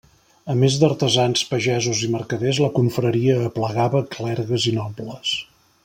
A més d'artesans, pagesos i mercaders, la confraria aplegava clergues i nobles.